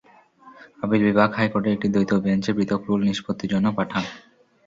Appeal বিভাগ হাইকোর্টের একটি দ্বৈত বেঞ্চে পৃথক রুল নিষ্পত্তির জন্য পাঠান।